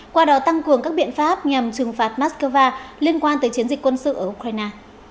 qua đó tăng cường các biện pháp nhằm trừng phạt moscow liên quan tới chiến dịch quân sự ở ukraine